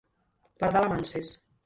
Pardal amb anses.